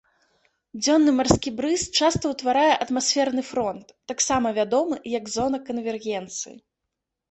Дзённы марскі брыз часта ўтварае атмасферны фронт, таксама вядомы як зона канвергенцыі.